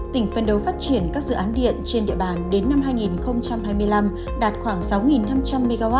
tỉnh phân đấu phát triển các dự án điện trên địa bàn đến năm hai nghìn hai mươi năm đạt khoảng sáu năm trăm linh mw